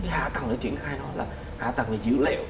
hạ tầng để triển khai đó là hạ tầng về dữ liệu